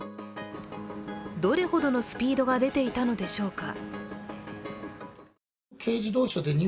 どれほどのスピードが出ていたのでしょうか。